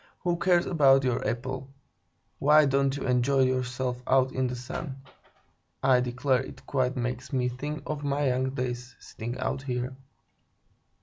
"Who cares about your apple? Why don't you enjoy yourself out in the sun? I declare it quite makes me think of my young days, sitting out here."